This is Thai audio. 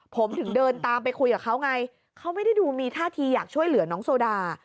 ผมถึงเดินตามไปคุยกับเขาไงเขาไม่ได้ดูมีท่าทีอยากช่วยเหลือน้องโซดา